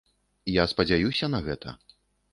Я спадзяюся на гэта.